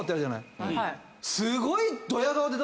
すごい。